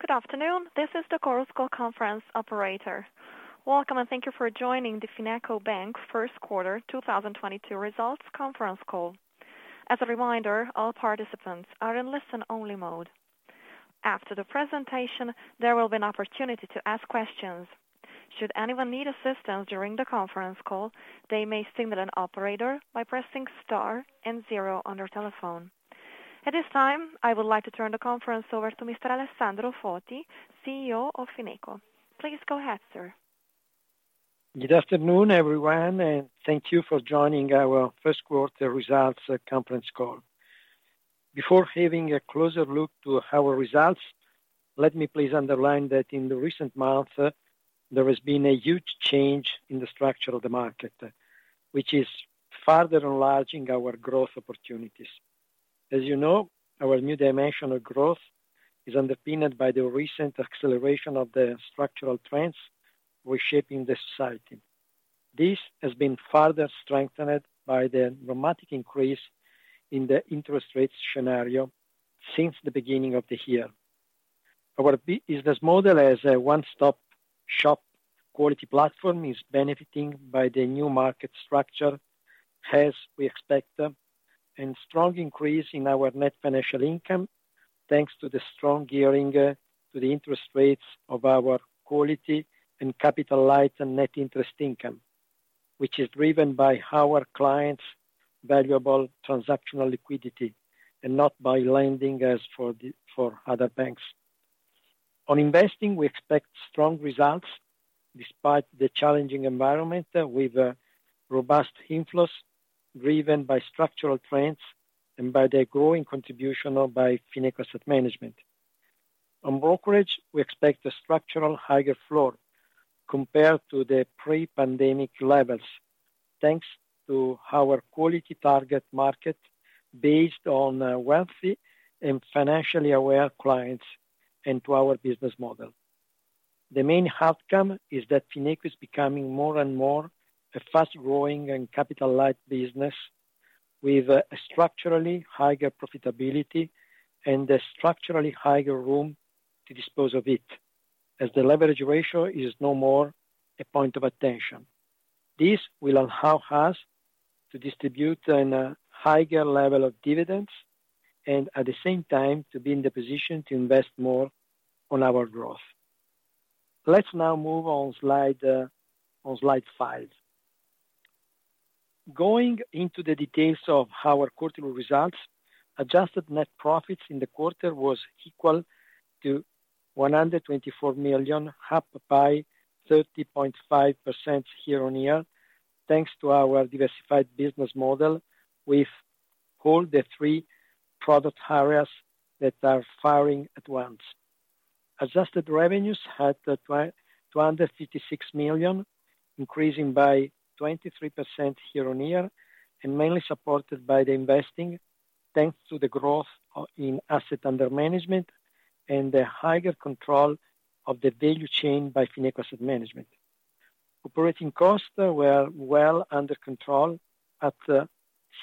Good afternoon. This is the Chorus Call Conference operator. Welcome, and thank you for joining the FinecoBank first quarter 2022 results conference call. As a reminder, all participants are in listen-only mode. After the presentation, there will be an opportunity to ask questions. Should anyone need assistance during the conference call, they may signal an operator by pressing star and zero on their telephone. At this time, I would like to turn the conference over to Mr. Alessandro Foti, CEO of FinecoBank. Please go ahead, sir. Good afternoon, everyone, and thank you for joining our first quarter results conference call. Before having a closer look at our results, let me please underline that in the recent months, there has been a huge change in the structure of the market, which is further enlarging our growth opportunities. As you know, our new dimension of growth is underpinned by the recent acceleration of the structural trends reshaping the society. This has been further strengthened by the dramatic increase in the interest rates scenario since the beginning of the year. Our business model as a one-stop shop quality platform is benefiting by the new market structure, as we expect, and strong increase in our net financial income, thanks to the strong gearing to the interest rates of our quality and capital light net interest income, which is driven by our clients' valuable transactional liquidity and not by lending as for other banks. On investing, we expect strong results despite the challenging environment with robust inflows driven by structural trends and by the growing contribution of Fineco Asset Management. On brokerage, we expect a structural higher floor compared to the pre-pandemic levels, thanks to our quality target market based on wealthy and financially aware clients and to our business model. The main outcome is that Fineco is becoming more and more a fast-growing and capital-light business with a structurally higher profitability and a structurally higher room to dispose of it, as the leverage ratio is no more a point of attention. This will allow us to distribute a higher level of dividends and, at the same time, to be in the position to invest more on our growth. Let's now move on slide five. Going into the details of our quarterly results, adjusted net profits in the quarter was equal to 124 million, up by 30.5% year-on-year, thanks to our diversified business model with all the three product areas that are firing at once. Adjusted revenues at 256 million, increasing by 23% year-on-year, and mainly supported by the investing, thanks to the growth of, in asset under management and the higher control of the value chain by Fineco Asset Management. Operating costs were well under control at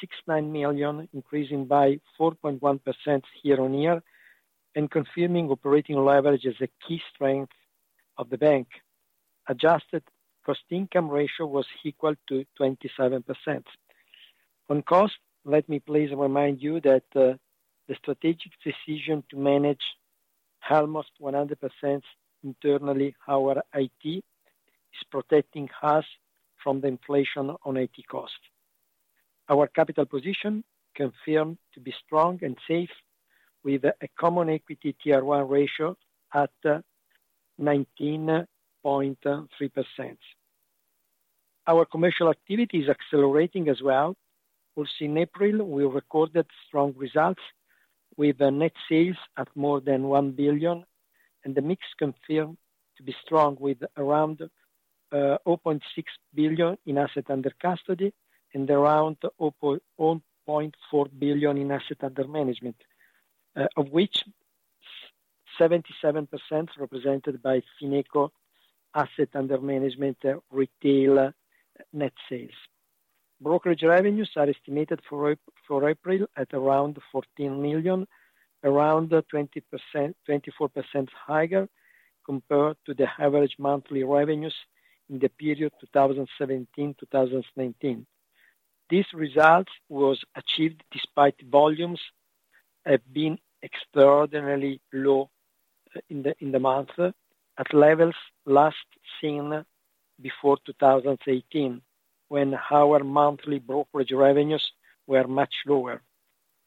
69 million, increasing by 4.1% year-on-year and confirming operating leverage as a key strength of the bank. Adjusted cost-income ratio was equal to 27%. On cost, let me please remind you that, the strategic decision to manage almost 100% internally our IT is protecting us from the inflation on IT costs. Our capital position confirmed to be strong and safe, with a Common Equity Tier 1 ratio at 19.3%. Our commercial activity is accelerating as well. In April, we recorded strong results with net sales at more than 1 billion, and the mix confirmed to be strong, with around 0.6 billion in assets under custody and around 0.4 billion in assets under management, of which 77% represented by Fineco Asset Management retail net sales. Brokerage revenues are estimated for April at around 14 million, around 20%, 24% higher compared to the average monthly revenues in the period 2017-2019. These results was achieved despite volumes being extraordinarily low in the month at levels last seen before 2018, when our monthly brokerage revenues were much lower.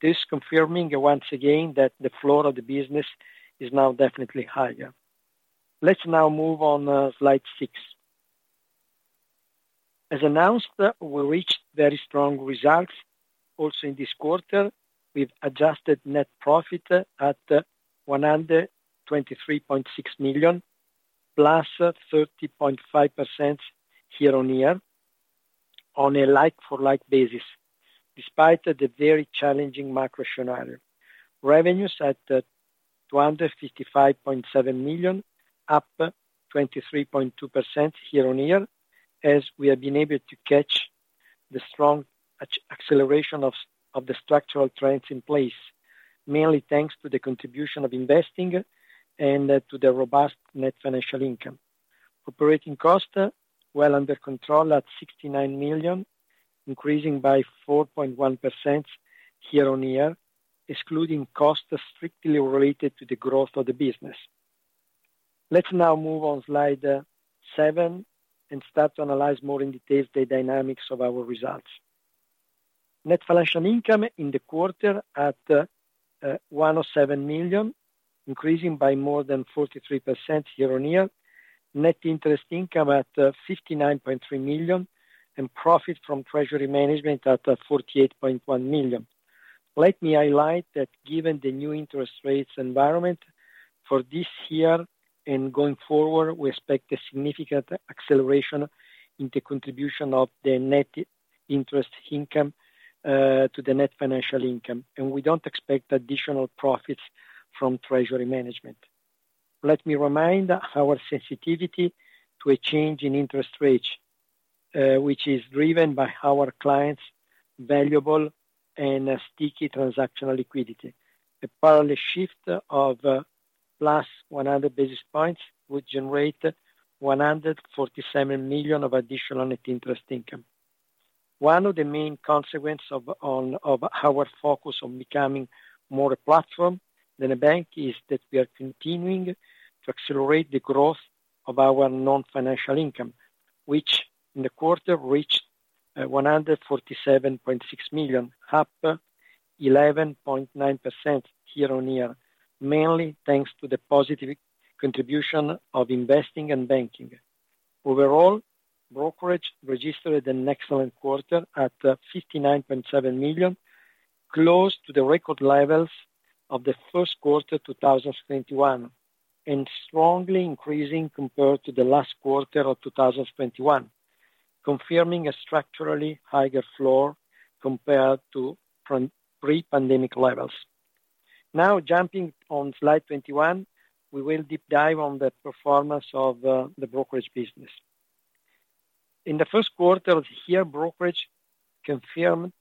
This confirming once again that the floor of the business is now definitely higher. Let's now move on, slide six. As announced, we reached very strong results also in this quarter, with adjusted net profit at 123.6 million, +30.5% year-on-year on a like-for-like basis, despite the very challenging macro scenario. Revenues at 255.7 million, up 23.2% year-on-year, as we have been able to catch the strong acceleration of the structural trends in place, mainly thanks to the contribution of investing and to the robust net financial income. Operating cost well under control at 69 million, increasing by 4.1% year-on-year, excluding costs strictly related to the growth of the business. Let's now move on slide seven and start to analyze more in detail the dynamics of our results. Net financial income in the quarter at 107 million, increasing by more than 43% year-on-year. Net interest income at 59.3 million, and profit from treasury management at 48.1 million. Let me highlight that given the new interest rates environment for this year and going forward, we expect a significant acceleration in the contribution of the net interest income to the net financial income, and we don't expect additional profits from treasury management. Let me remind our sensitivity to a change in interest rates, which is driven by our clients' valuable and sticky transactional liquidity. A parallel shift of plus 100 basis points would generate 147 million of additional net interest income. One of the main consequence of our focus on becoming more a platform than a bank is that we are continuing to accelerate the growth of our non-financial income, which in the quarter reached 147.6 million, up 11.9% year-on-year, mainly thanks to the positive contribution of investing and banking. Overall, brokerage registered an excellent quarter at 59.7 million, close to the record levels of the first quarter 2021, and strongly increasing compared to the last quarter of 2021, confirming a structurally higher floor compared to pre-pandemic levels. Now jumping on slide 21, we will deep dive on the performance of the brokerage business. In the first quarter of the year, brokerage confirmed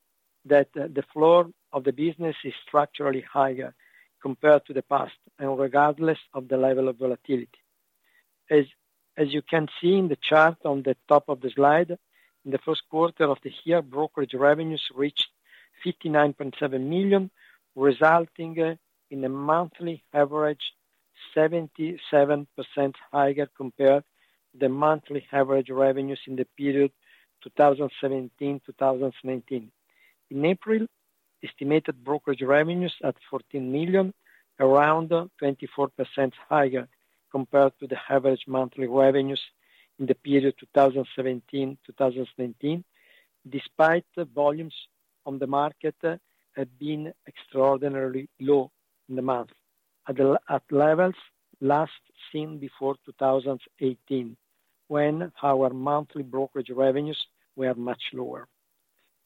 that the floor of the business is structurally higher compared to the past and regardless of the level of volatility. As you can see in the chart on the top of the slide, in the first quarter of the year, brokerage revenues reached 59.7 million, resulting in a monthly average 77% higher compared to the monthly average revenues in the period 2017-2019. In April, estimated brokerage revenues at 14 million, around 24% higher compared to the average monthly revenues in the period 2017-2019, despite volumes on the market have been extraordinarily low in the month at levels last seen before 2018, when our monthly brokerage revenues were much lower.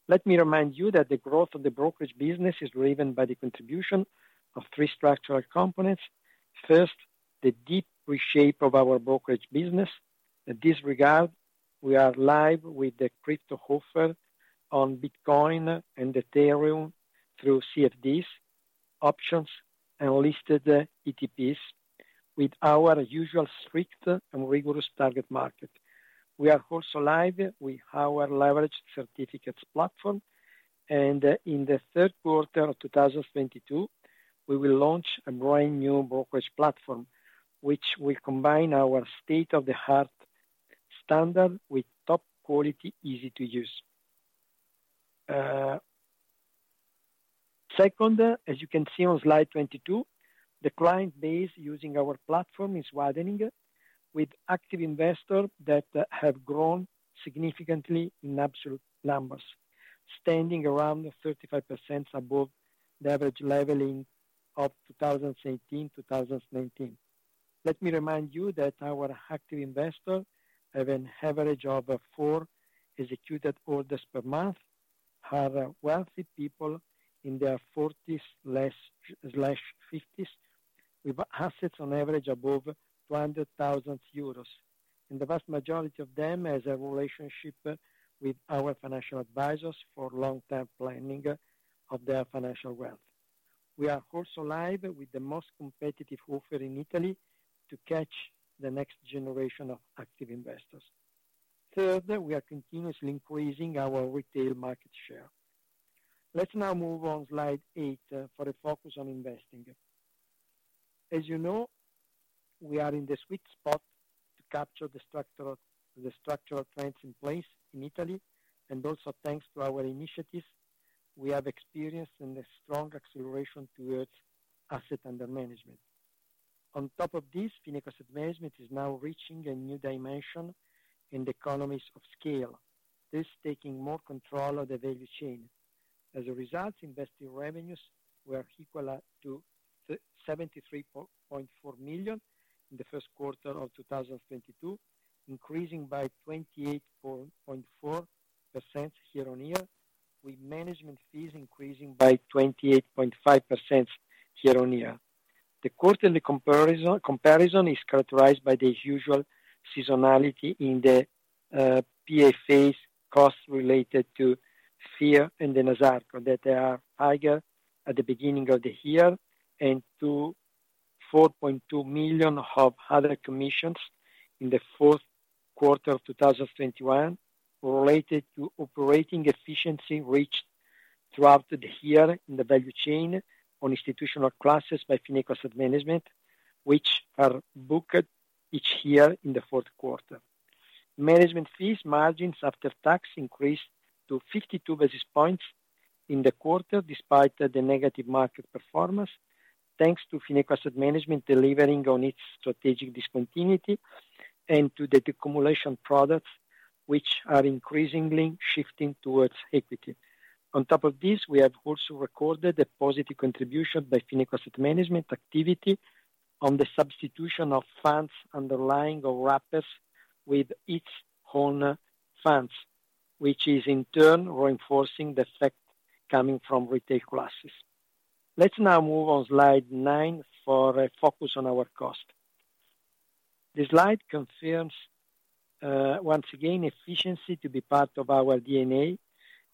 Let me remind you that the growth of the brokerage business is driven by the contribution of three structural components. First, the deep reshape of our brokerage business. In this regard, we are live with the crypto offer on Bitcoin and Ethereum through CFDs, options, and listed ETPs with our usual strict and rigorous target market. We are also live with our leveraged certificates platform, and in the third quarter of 2022, we will launch a brand new brokerage platform, which will combine our state-of-the-art standard with top quality, easy to use. Second, as you can see on slide 22, the client base using our platform is widening with active investors that have grown significantly in absolute numbers, standing around 35% above the average level in 2018-2019. Let me remind you that our active investors have an average of four executed orders per month, are wealthy people in their forties and fifties with assets on average above 200,000 euros, and the vast majority of them has a relationship with our financial advisors for long-term planning of their financial wealth. We are also live with the most competitive offer in Italy to catch the next generation of active investors. Third, we are continuously increasing our retail market share. Let's now move on slide eight for a focus on investing. As you know, we are in the sweet spot to capture the structural trends in place in Italy, and also thanks to our initiatives, we have experienced a strong acceleration towards assets under management. On top of this, Fineco's management is now reaching a new dimension in the economies of scale, thus taking more control of the value chain. As a result, investment revenues were equal to 73.4 million in the first quarter of 2022, increasing by 28.4% year-on-year, with management fees increasing by 28.5% year-on-year. The quarter in the comparison is characterized by the usual seasonality in the PFA's costs related to FIRR and Enasarco, that they are higher at the beginning of the year, and to 4.2 million of other commissions in the fourth quarter of 2021 related to operating efficiency reached throughout the year in the value chain on institutional classes by Fineco Asset Management, which are booked each year in the fourth quarter. Management fees margins after tax increased to 52 basis points in the quarter despite the negative market performance, thanks to Fineco Asset Management delivering on its strategic discontinuity and to the deaccumulation products, which are increasingly shifting towards equity. On top of this, we have also recorded a positive contribution by Fineco Asset Management activity on the substitution of funds underlying or wrappers with its own funds, which is in turn reinforcing the effect coming from retail classes. Let's now move on slide nine for a focus on our cost. The slide confirms once again efficiency to be part of our DNA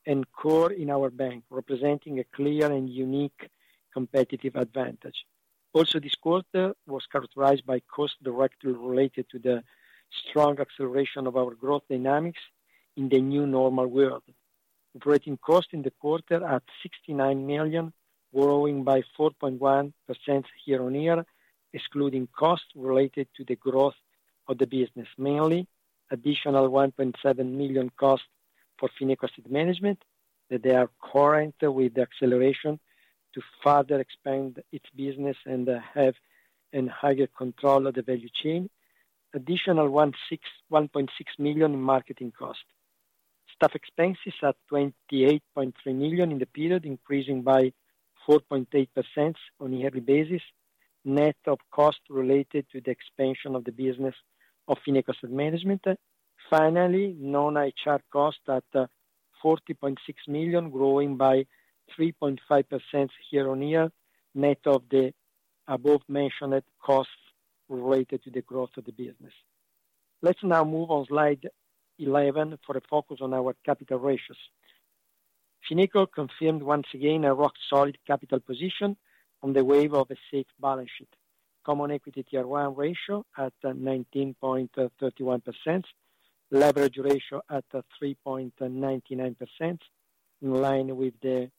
and core in our bank, representing a clear and unique competitive advantage. Also, this quarter was characterized by cost directly related to the strong acceleration of our growth dynamics in the new normal world. Operating costs in the quarter at 69 million, growing by 4.1% year-on-year, excluding costs related to the growth of the business. Mainly additional 1.7 million cost for Fineco Asset Management, that they are incurred with the acceleration to further expand its business and have a higher control of the value chain. Additional 1.6 million in marketing cost. Staff expenses at 28.3 million in the period, increasing by 4.8% on a yearly basis, net of costs related to the expansion of the business of Fineco Asset Management. Finally, non-HR costs at 40.6 million, growing by 3.5% year-on-year, net of the above-mentioned costs related to the growth of the business. Let's now move on slide 11 for a focus on our capital ratios. Fineco confirmed once again a rock-solid capital position on the wave of a safe balance sheet. Common Equity Tier 1 ratio at 19.31%. Leverage ratio at 3.99%, in line with the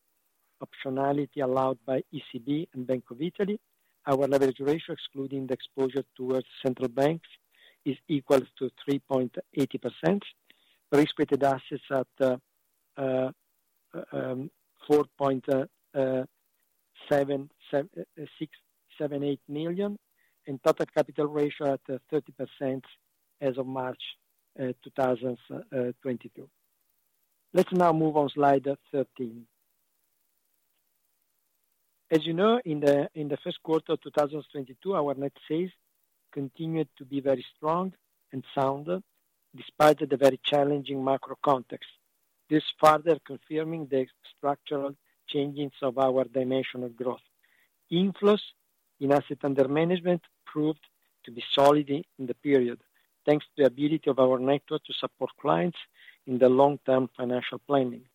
optionality allowed by ECB and Bank of Italy. Our leverage ratio, excluding the exposure towards central banks, is equal to 3.80%. Risk-weighted assets at EUR 4.78 million, and total capital ratio at 30% as of March 2022. Let's now move on slide 13. As you know, in the first quarter of 2022, our net sales continued to be very strong and sound, despite the very challenging macro context. This further confirming the structural changes of our dimension of growth. Inflows in assets under management proved to be solid in the period, thanks to the ability of our network to support clients in the long-term financial planning.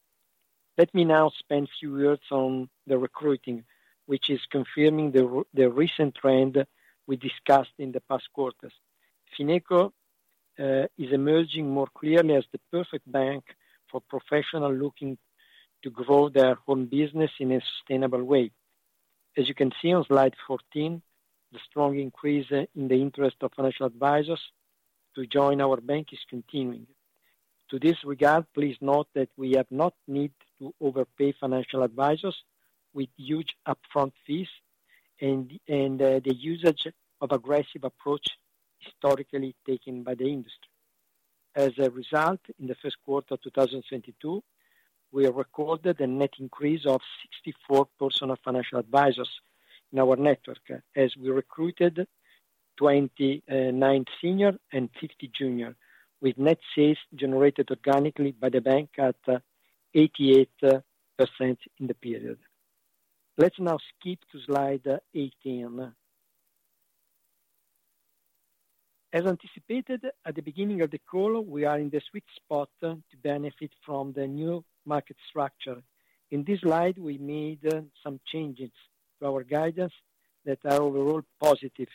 Let me now spend a few words on the recruiting, which is confirming the recent trend we discussed in the past quarters. Fineco is emerging more clearly as the perfect bank for professionals looking to grow their own business in a sustainable way. As you can see on slide 14, the strong increase in the interest of financial advisors to join our bank is continuing. In this regard, please note that we have no need to overpay financial advisors with huge upfront fees and the usage of aggressive approach historically taken by the industry. As a result, in the first quarter of 2022, we have recorded a net increase of 64 personal financial advisors in our network, as we recruited 29 senior and 50 junior, with net sales generated organically by the bank at 88% in the period. Let's now skip to slide 18. As anticipated, at the beginning of the call, we are in the sweet spot to benefit from the new market structure. In this slide, we made some changes to our guidance that are overall positive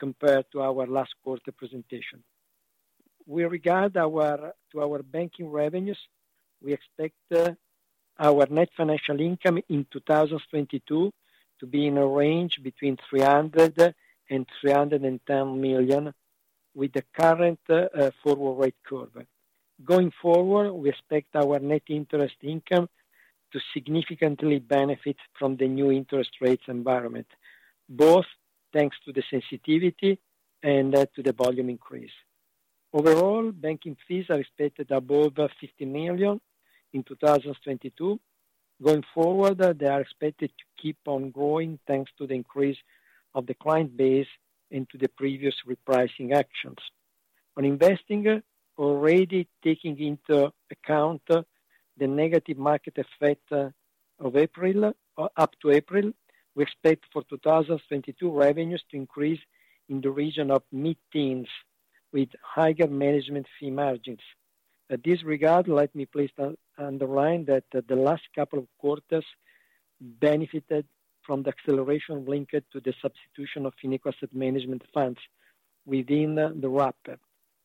compared to our last quarter presentation. With regard to our banking revenues, we expect our net financial income in 2022 to be in a range between 300 million and 310 million with the current forward rate curve. Going forward, we expect our net interest income to significantly benefit from the new interest rates environment, both thanks to the sensitivity and to the volume increase. Overall, banking fees are expected above 50 million in 2022. Going forward, they are expected to keep on growing thanks to the increase of the client base and to the previous repricing actions. On investing, already taking into account the negative market effect of April up to April, we expect for 2022 revenues to increase in the region of mid-teens% with higher management fee margins. At this regard, let me please underline that the last couple of quarters benefited from the acceleration linked to the substitution of Fineco Asset Management funds within the wrap.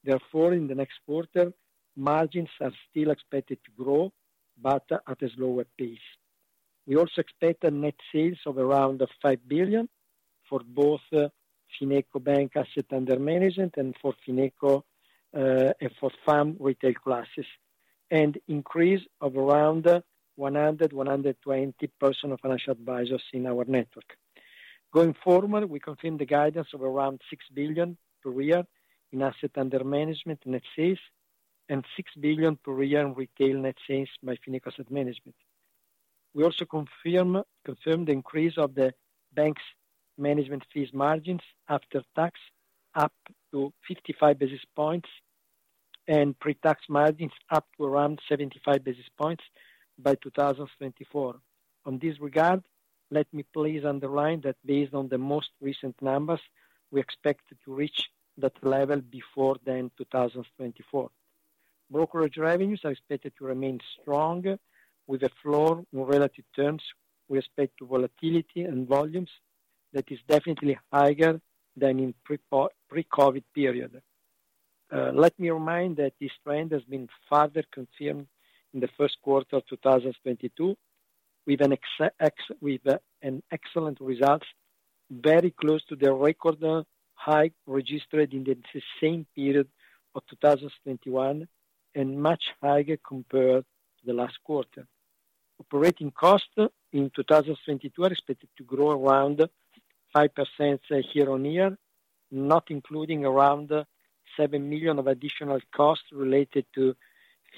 Therefore, in the next quarter, margins are still expected to grow, but at a slower pace. We also expect net sales of around 5 billion for both FinecoBank assets under management and for FinecoBank, and for FAM retail classes, and increase of around 100% of financial advisors in our network. Going forward, we confirm the guidance of around 6 billion per year in assets under management net sales, and 6 billion per year in retail net sales by Fineco Asset Management. We also confirm the increase of the bank's management fees margins after tax up to 55 basis points and pre-tax margins up to around 75 basis points by 2024. In this regard, let me please underline that based on the most recent numbers, we expect to reach that level before 2024. Brokerage revenues are expected to remain strong with a floor in relative terms with respect to volatility and volumes that is definitely higher than in pre-COVID period. Let me remind that this trend has been further confirmed in the first quarter of 2022 with an excellent results very close to the record high registered in the same period of 2021, and much higher compared to the last quarter. Operating costs in 2022 are expected to grow around 5% year-on-year, not including around 7 million of additional costs related to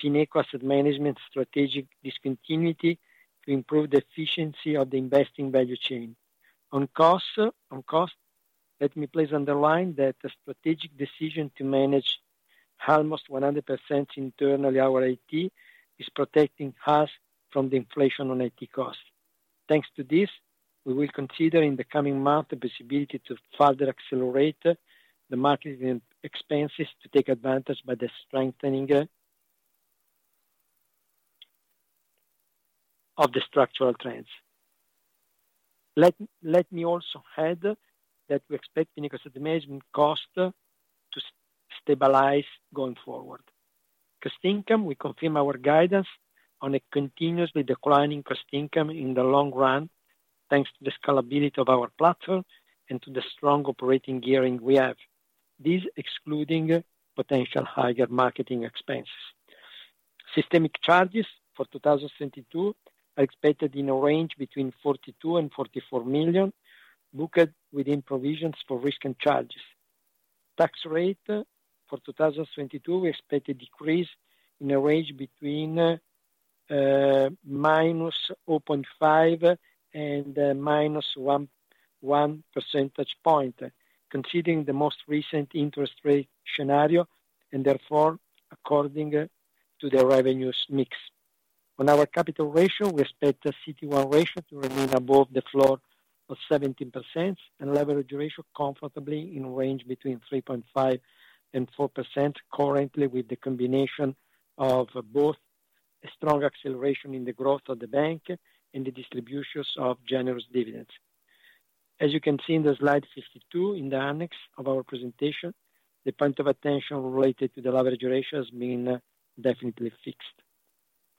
Fineco Asset Management strategic discontinuity to improve the efficiency of the investing value chain. On costs, let me please underline that the strategic decision to manage almost 100% internally our IT is protecting us from the inflation on IT costs. Thanks to this, we will consider in the coming month the possibility to further accelerate the marketing expenses to take advantage of the strengthening of the structural trends. Let me also add that we expect Fineco Asset Management costs to stabilize going forward. Cost income, we confirm our guidance on a continuously declining cost income in the long run, thanks to the scalability of our platform and to the strong operating gearing we have. This excluding potential higher marketing expenses. Systemic charges for 2022 are expected in a range between 42 million and 44 million, booked within provisions for risk and charges. Tax rate for 2022, we expect a decrease in a range between -0.5 and -1.1 percentage points, considering the most recent interest rate scenario, and therefore according to the revenues mix. On our capital ratio, we expect the CET1 ratio to remain above the floor of 17% and leverage ratio comfortably in range between 3.5% and 4% currently, with the combination of both a strong acceleration in the growth of the bank and the distributions of generous dividends. As you can see in the slide 52 in the annex of our presentation, the point of attention related to the leverage ratio has been definitely fixed.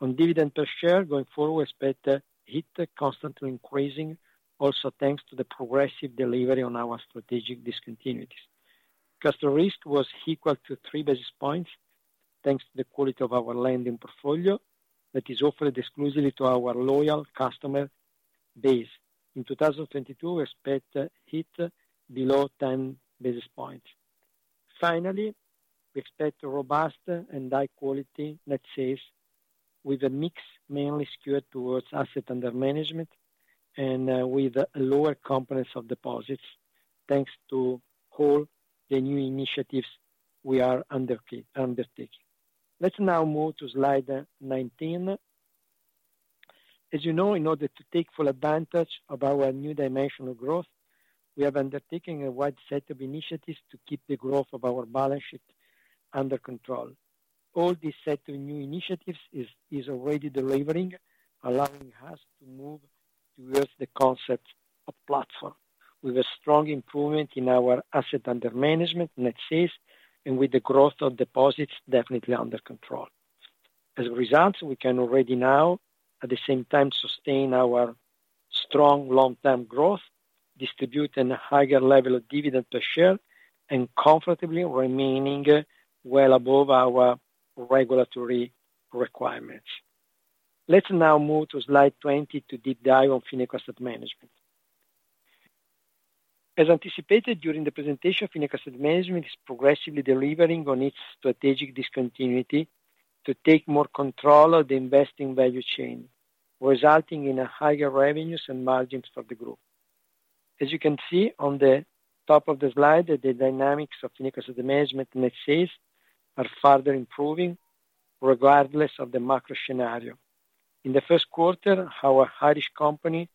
On dividend per share going forward, we expect it constantly increasing also thanks to the progressive delivery on our strategic discontinuities. Customer risk was equal to three basis points, thanks to the quality of our lending portfolio that is offered exclusively to our loyal customer base. In 2022, we expect it below 10 basis points. Finally, we expect robust and high quality net sales with a mix mainly skewed towards asset under management and, with a lower component of deposits, thanks to all the new initiatives we are undertaking. Let's now move to slide 19. As you know, in order to take full advantage of our new dimension of growth, we have undertaken a wide set of initiatives to keep the growth of our balance sheet under control. All this set of new initiatives is already delivering, allowing us to move towards the concept of platform with a strong improvement in our assets under management net sales and with the growth of deposits definitely under control. As a result, we can already now, at the same time, sustain our strong long-term growth, distribute a higher level of dividend per share, and comfortably remaining well above our regulatory requirements. Let's now move to slide 20 to deep dive on Fineco Asset Management. As anticipated during the presentation, Fineco Asset Management is progressively delivering on its strategic discontinuity to take more control of the investing value chain, resulting in higher revenues and margins for the group. As you can see on the top of the slide, the dynamics of Fineco Asset Management net sales are further improving regardless of the macro scenario. In the first quarter, our Irish company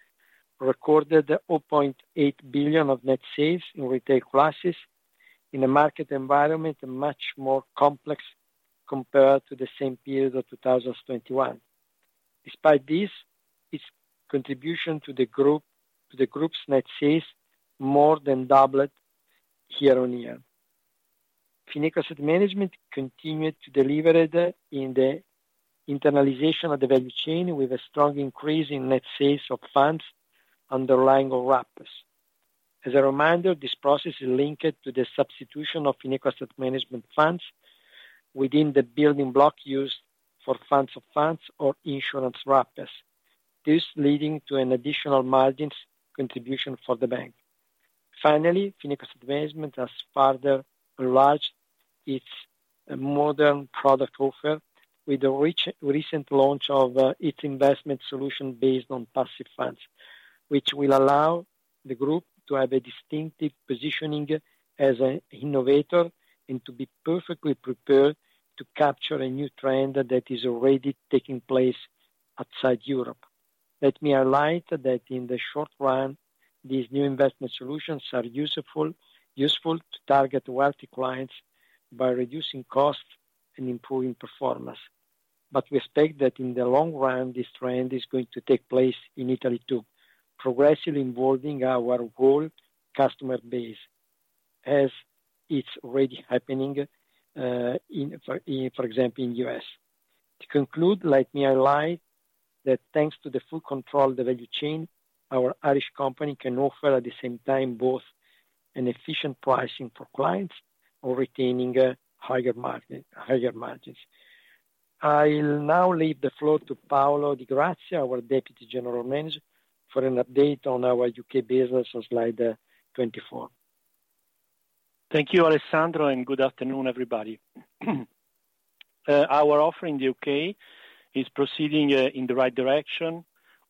recorded 0.8 billion of net sales in retail classes in a market environment much more complex compared to the same period of 2021. Despite this, its contribution to the group, to the group's net sales more than doubled year-on-year. Fineco Asset Management continued to deliver the, in the internalization of the value chain, with a strong increase in net sales of funds underlying wrappers. As a reminder, this process is linked to the substitution of Fineco Asset Management funds within the building block used for funds of funds or insurance wrappers. This leading to an additional margins contribution for the bank. Finally, Fineco Asset Management has further enlarged its modern product offer with the recent launch of its investment solution based on passive funds, which will allow the group to have a distinctive positioning as an innovator and to be perfectly prepared to capture a new trend that is already taking place outside Europe. Let me highlight that in the short run, these new investment solutions are useful to target wealthy clients by reducing costs and improving performance. We expect that in the long run, this trend is going to take place in Italy too, progressively involving our whole customer base, as it's already happening, for example, in the U.S. To conclude, let me highlight that thanks to the full control of the value chain, our Irish company can offer at the same time, both an efficient pricing for clients while retaining a higher margin, higher margins. I'll now leave the floor to Paolo Di Grazia, our Deputy General Manager, for an update on our UK business on slide 24. Thank you, Alessandro, and good afternoon, everybody. Our offer in the UK is proceeding in the right direction.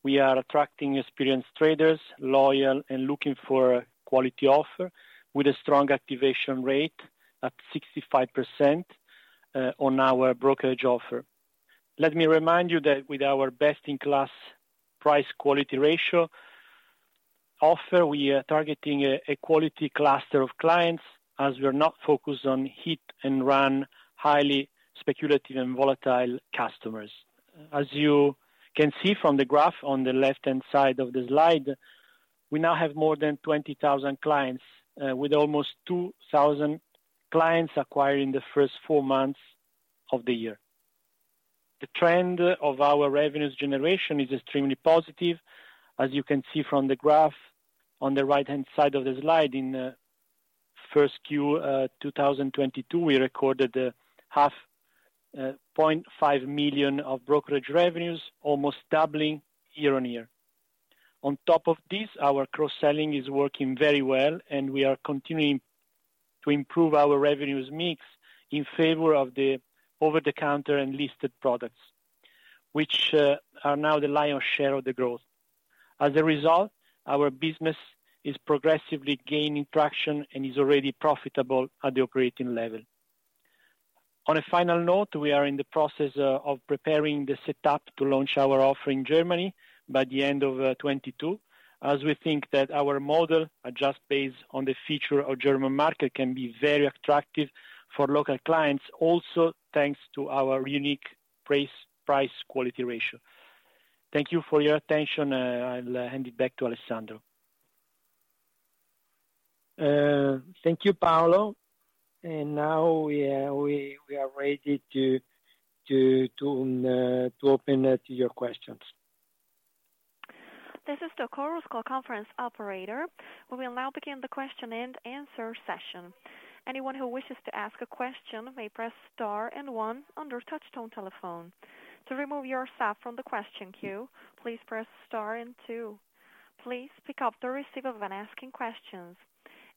We are attracting experienced traders, loyal and looking for quality offer with a strong activation rate at 65% on our brokerage offer. Let me remind you that with our best in class price quality ratio offer, we are targeting a quality cluster of clients as we are not focused on hit and run, highly speculative and volatile customers. As you can see from the graph on the left-hand side of the slide, we now have more than 20,000 clients with almost 2,000 clients acquired in the first four months of the year. The trend of our revenues generation is extremely positive. As you can see from the graph on the right-hand side of the slide, in Q1 2022, we recorded 0.5 million of brokerage revenues, almost doubling year-on-year. On top of this, our cross-selling is working very well, and we are continuing to improve our revenue mix in favor of the over-the-counter and listed products, which are now the lion's share of the growth. As a result, our business is progressively gaining traction and is already profitable at the operating level. On a final note, we are in the process of preparing the setup to launch our offer in Germany by the end of 2022, as we think that our model adjusted based on the features of the German market can be very attractive for local clients also thanks to our unique price-quality ratio. Thank you for your attention. I'll hand it back to Alessandro. Thank you, Paolo. Now we are ready to open to your questions. This is the Chorus Call conference operator. We will now begin the question and answer session. Anyone who wishes to ask a question may press star and one on your touchtone telephone. To remove yourself from the question queue, please press star and two. Please pick up the receiver when asking questions.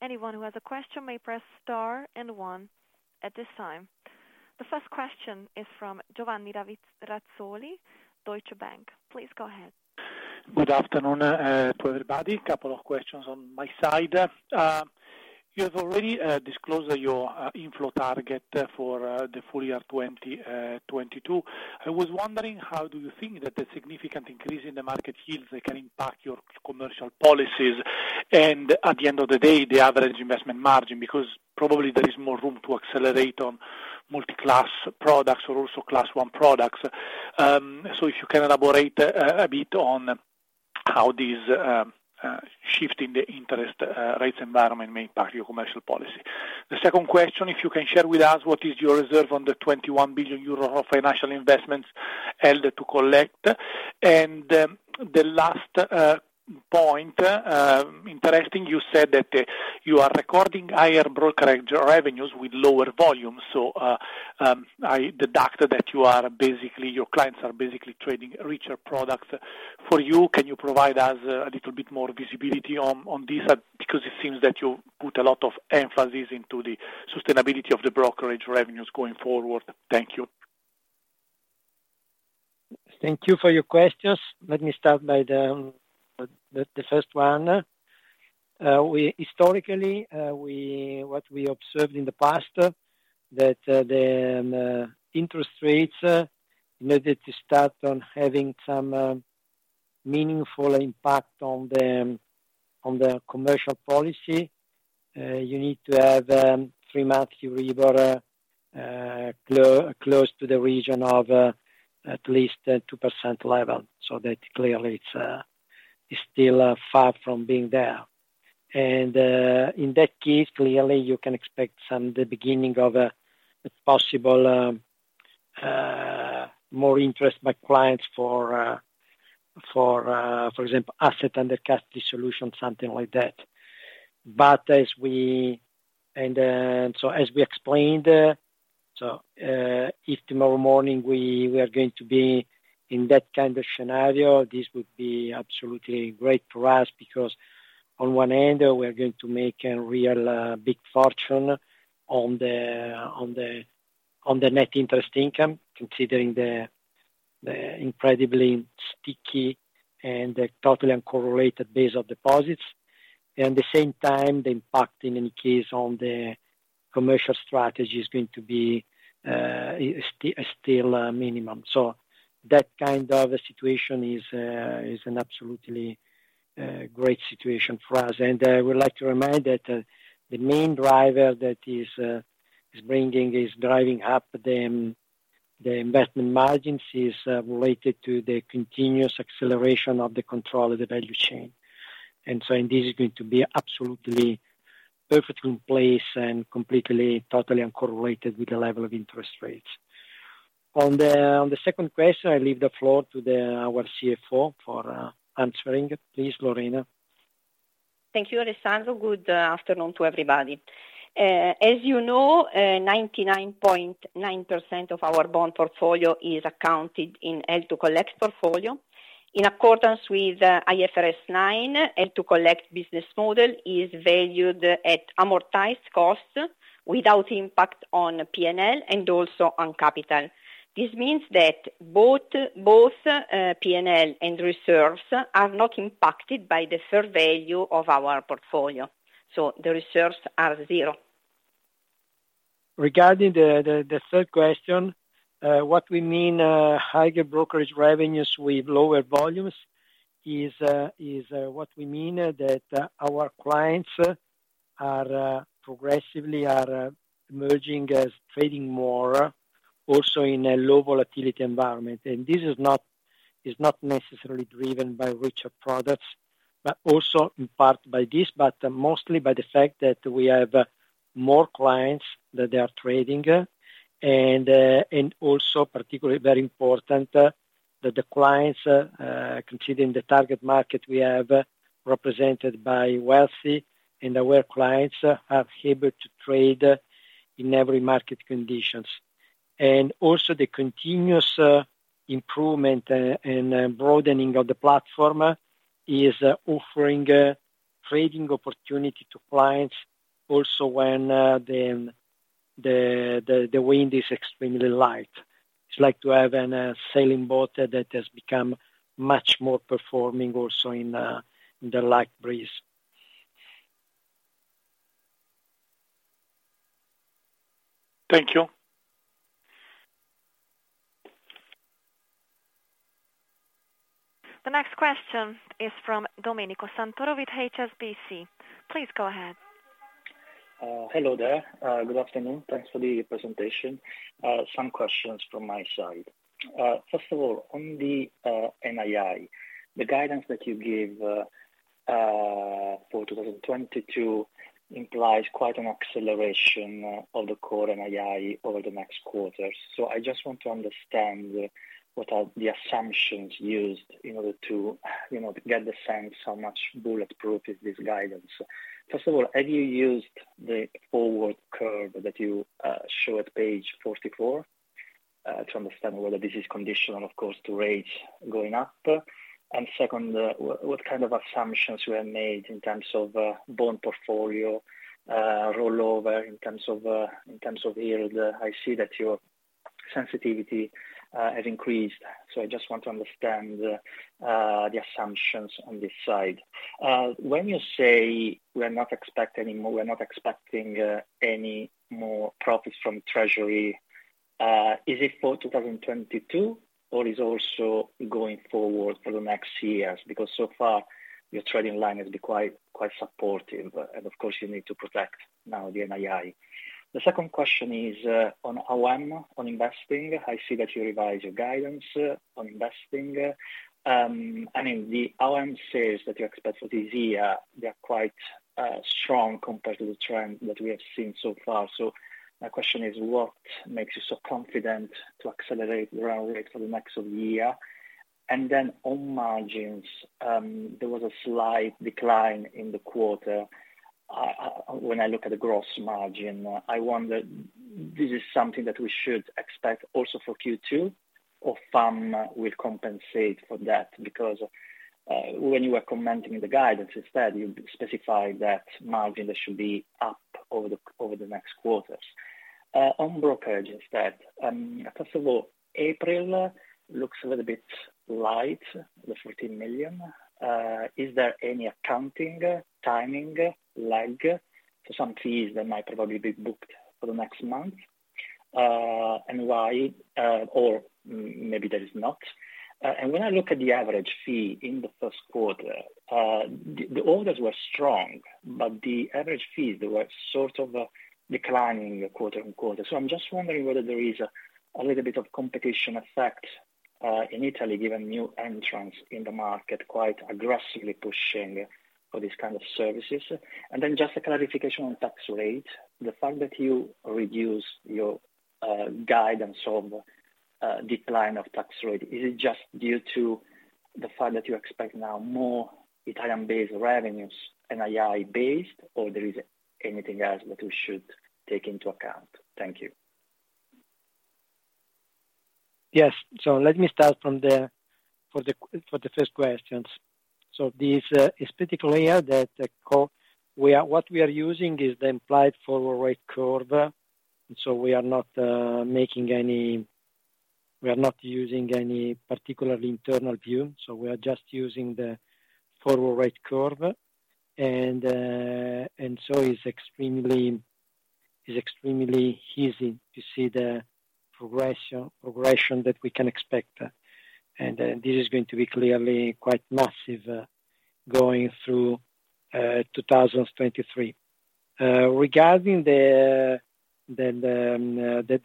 Anyone who has a question may press star and one at this time. The first question is from Giovanni Razzoli, Deutsche Bank. Please go ahead. Good afternoon, to everybody. Couple of questions on my side. You have already disclosed your inflow target for the full year 2022. I was wondering how do you think that the significant increase in the market yields can impact your commercial policies? At the end of the day, the average investment margin, because probably there is more room to accelerate on multi-class products or also class one products. If you can elaborate a bit on how these shift in the interest rates environment may impact your commercial policy. The second question, if you can share with us what is your reserve on the 21 billion euro of financial investments held to collect. The last point interesting, you said that you are recording higher brokerage revenues with lower volumes. I deduce that you are basically, your clients are basically trading richer products. For you, can you provide us a little bit more visibility on this? Because it seems that you put a lot of emphasis into the sustainability of the brokerage revenues going forward. Thank you. Thank you for your questions. Let me start by the first one. Historically, what we observed in the past, that the interest rates needed to start on having some meaningful impact on the commercial policy. You need to have three months Euribor close to the region of at least 2% level. That clearly it's still far from being there. In that case, clearly you can expect some the beginning of a possible more interest by clients for example, assets under custody solution, something like that. As we... As we explained, if tomorrow morning we are going to be in that kind of scenario, this would be absolutely great for us because on one end we are going to make a real big fortune on the net interest income, considering the incredibly sticky and totally uncorrelated base of deposits. At the same time, the impact in any case on the commercial strategy is going to be still minimum. That kind of a situation is an absolutely great situation for us. I would like to remind that the main driver that is driving up the investment margins is related to the continuous acceleration of the control of the value chain. This is going to be absolutely perfectly in place and completely, totally uncorrelated with the level of interest rates. On the second question, I leave the floor to our CFO for answering. Please, Lorena. Thank you, Alessandro. Good afternoon to everybody. As you know, 99.9% of our bond portfolio is accounted in held to collect portfolio. In accordance with IFRS 9, held to collect business model is valued at amortized costs without impact on P&L and also on capital. This means that both P&L and reserves are not impacted by the fair value of our portfolio. The reserves are zero. Regarding the third question, what we mean by higher brokerage revenues with lower volumes is that our clients are progressively emerging as trading more also in a low volatility environment. This is not necessarily driven by richer products, but also in part by this, but mostly by the fact that we have more clients that they are trading, and also particularly very important that the clients, considering the target market we have represented by wealthy and aware clients, are able to trade in every market conditions. Also the continuous improvement and broadening of the platform is offering trading opportunity to clients also when the wind is extremely light. It's like to have a sailing boat that has become much more performing also in the light breeze. Thank you. The next question is from Domenico Santoro with HSBC. Please go ahead. Hello there. Good afternoon. Thanks for the presentation. Some questions from my side. First of all, on the NII, the guidance that you gave for 2022 implies quite an acceleration of the core NII over the next quarters. I just want to understand what are the assumptions used in order to, you know, get the sense how much bulletproof is this guidance. First of all, have you used the forward curve that you show at page 44 to understand whether this is conditional, of course, to rates going up? And second, what kind of assumptions you have made in terms of bond portfolio rollover in terms of yield? I see that your sensitivity has increased. I just want to understand the assumptions on this side. When you say we're not expecting any more profits from Treasury, is it for 2022 or is also going forward for the next years? Because so far, your trading line has been quite supportive. Of course, you need to protect now the NII. The second question is on AUM, on investing. I see that you revised your guidance on investing. I mean, the AUM says that you expect for this year, they are quite strong compared to the trend that we have seen so far. My question is, what makes you so confident to accelerate the run rate for the rest of the year? On margins, there was a slight decline in the quarter. When I look at the gross margin, I wonder this is something that we should expect also for Q2 or FAM will compensate for that. Because when you were commenting the guidance instead, you specified that margin should be up over the next quarters. On brokerages that, first of all, April looks a little bit light, the 14 million. Is there any accounting timing lag to some fees that might probably be booked for the next month? Why, or maybe there is not. When I look at the average fee in the first quarter, the orders were strong, but the average fees were sort of declining quarter-on-quarter. I'm just wondering whether there is a little bit of competition effect in Italy, given new entrants in the market quite aggressively pushing for these kind of services. Just a clarification on tax rate. The fact that you reduced your guidance on decline of tax rate, is it just due to the fact that you expect now more Italian-based revenues, NII based, or there is anything else that we should take into account? Thank you. Yes. Let me start from the first questions. This is particularly what we are using is the implied forward rate curve. We are not using any particular internal view, so we are just using the forward rate curve. It is extremely easy to see the progression that we can expect. This is going to be clearly quite massive going through 2023. Regarding the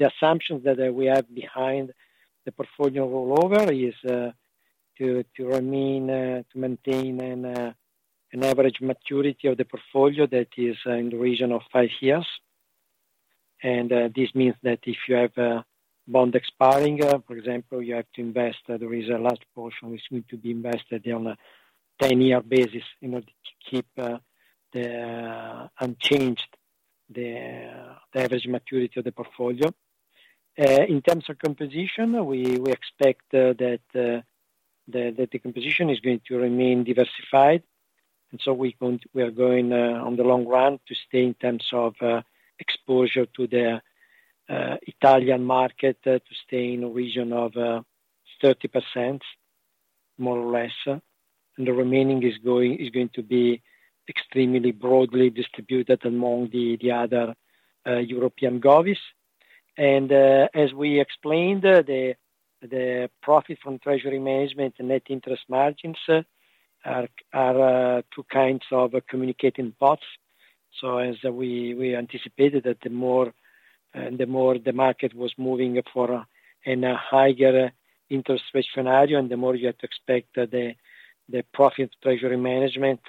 assumptions that we have behind the portfolio rollover is to maintain an average maturity of the portfolio that is in the region of five years. This means that if you have a bond expiring, for example, you have to invest. There is a large portion which need to be invested on a ten-year basis in order to keep unchanged the average maturity of the portfolio. In terms of composition, we expect that the composition is going to remain diversified, and so we are going in the long run to stay in terms of exposure to the Italian market to stay in a region of 30%, more or less. The remaining is going to be extremely broadly distributed among the other European govvies. As we explained, the profit from treasury management and net interest margins are two kinds of communicating vessels. As we anticipated that the more the market was moving toward a higher interest rate scenario, and the more you have to expect the profit from treasury management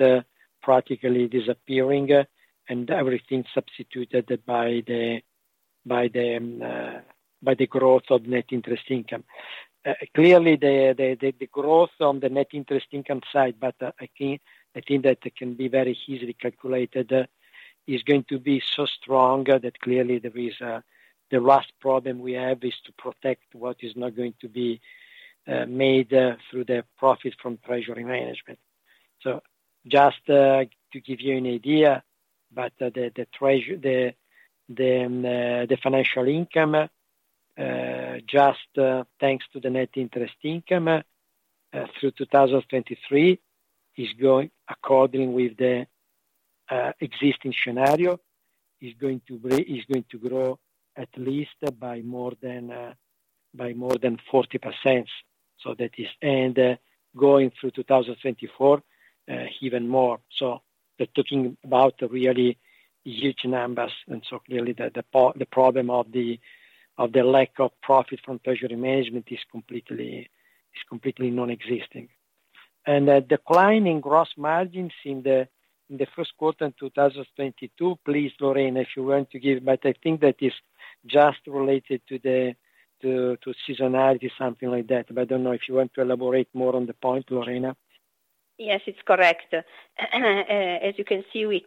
practically disappearing and everything substituted by the growth of net interest income. Clearly, the growth on the net interest income side, but I think that can be very easily calculated, is going to be so strong that clearly the last problem we have is to protect what is not going to be made through the profit from treasury management. Just to give you an idea, but the financial income, just thanks to the net interest income, through 2023, is going according to the existing scenario, is going to grow at least by more than 40%. That is. Going through 2024, even more. We're talking about really huge numbers. Clearly the problem of the lack of profit from treasury management is completely non-existing. The decline in gross margins in the first quarter in 2022, please, Lorena, if you want to give, but I think that is just related to seasonality, something like that. I don't know if you want to elaborate more on the point, Lorena. Yes, it's correct. As you can see, we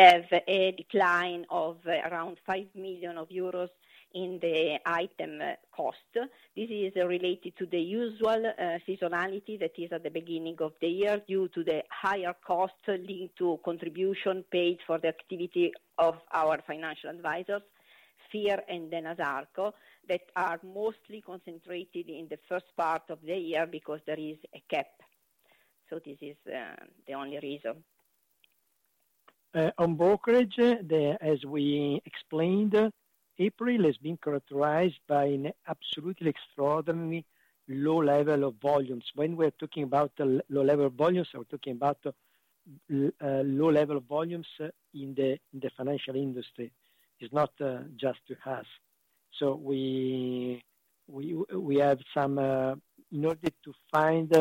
have a decline of around 5 million euros in the item cost. This is related to the usual seasonality that is at the beginning of the year due to the higher cost linked to contribution paid for the activity of our financial advisors, FIRR and Enasarco, that are mostly concentrated in the first part of the year because there is a cap. This is the only reason. On brokerage, as we explained, April has been characterized by an absolutely extraordinary low level of volumes. When we're talking about low level volumes, we're talking about low level volumes in the financial industry. It's not just us. In order to find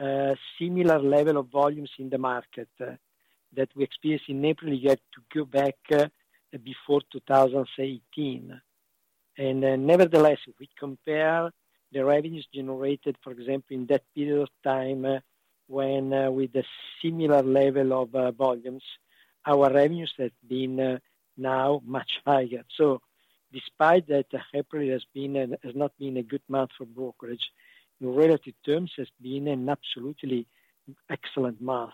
a similar level of volumes in the market that we experienced in April, you have to go back before 2018. Nevertheless, if we compare the revenues generated, for example, in that period of time when with the similar level of volumes, our revenues has been now much higher. Despite that, April has not been a good month for brokerage. In relative terms, it's been an absolutely excellent month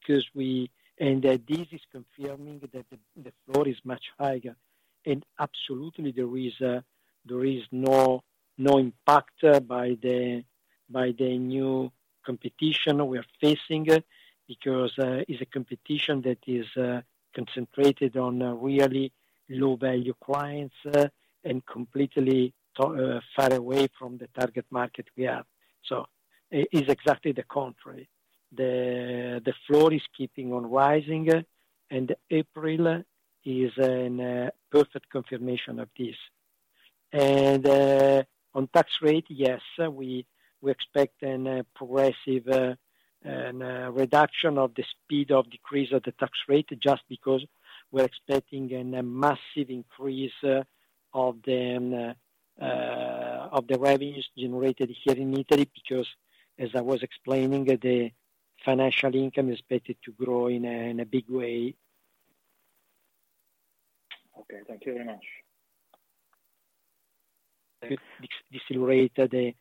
because we. That this is confirming that the floor is much higher. Absolutely, there is no impact by the new competition we are facing, because it's a competition that is concentrated on really low-value clients, and completely too far away from the target market we have. It's exactly the contrary. The floor is keeping on rising, and April is a perfect confirmation of this. On tax rate, yes, we expect a progressive reduction of the speed of decrease of the tax rate just because we're expecting a massive increase of the revenues generated here in Italy, because as I was explaining, the financial income is better to grow in a big way. Okay, thank you very much. Decelerate the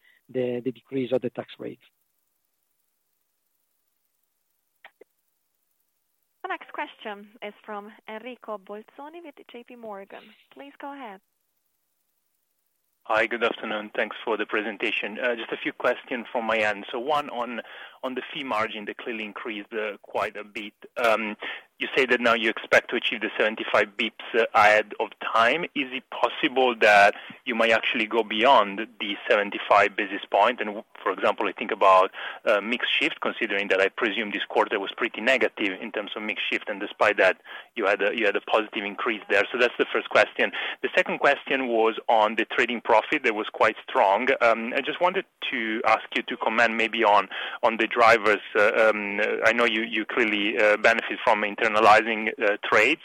decrease of the tax rate. The next question is from Enrico Bolzoni with JP Morgan. Please go ahead. Hi, good afternoon. Thanks for the presentation. Just a few questions from my end. One on the fee margin that clearly increased quite a bit. You say that now you expect to achieve the 75 basis points ahead of time. Is it possible that you might actually go beyond the 75 basis points? For example, I think about mix shift, considering that I presume this quarter was pretty negative in terms of mix shift, and despite that, you had a positive increase there. That's the first question. The second question was on the trading profit. That was quite strong. I just wanted to ask you to comment maybe on the drivers. I know you clearly benefit from internalizing trades.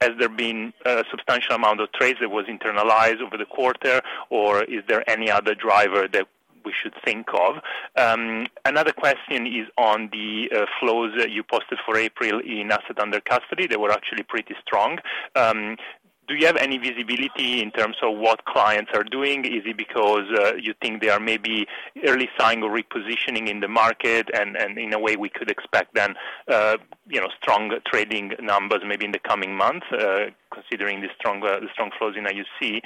Has there been a substantial amount of trades that was internalized over the quarter, or is there any other driver that we should think of? Another question is on the flows you posted for April in assets under custody. They were actually pretty strong. Do you have any visibility in terms of what clients are doing? Is it because you think there are maybe early sign of repositioning in the market and in a way we could expect then you know, stronger trading numbers maybe in the coming months, considering the strong flows in that you see.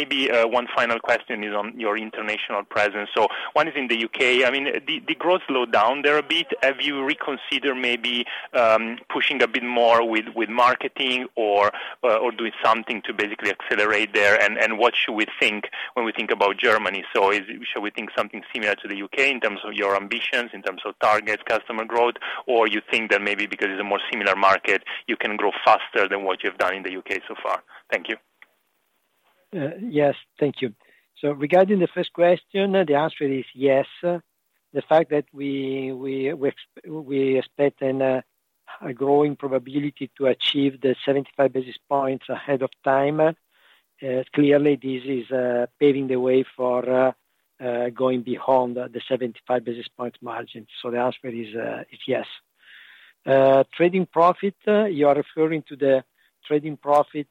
Maybe one final question is on your international presence. One is in the UK. I mean, the growth slowed down there a bit. Have you reconsidered maybe pushing a bit more with marketing or doing something to basically accelerate there? What should we think when we think about Germany? Shall we think something similar to the UK in terms of your ambitions, in terms of targets, customer growth, or you think that maybe because it's a more similar market, you can grow faster than what you've done in the UK so far? Thank you. Yes. Thank you. Regarding the first question, the answer is yes. The fact that we expect a growing probability to achieve the 75 basis points ahead of time clearly this is paving the way for going beyond the 75 basis point margin. The answer is yes. Trading profit, you are referring to the trading profit